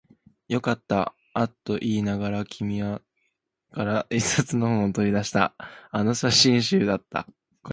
よかった、あったと言いながら、君は生垣から一冊の本を取り出した。あの写真集だった。